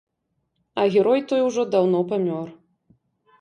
А герой той ужо даўно памёр.